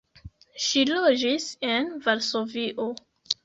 Ŝi loĝis en Varsovio.